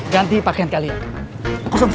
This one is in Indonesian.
ganti pakaian kalian